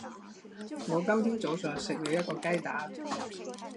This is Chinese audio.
我今天早上吃了一个鸡蛋。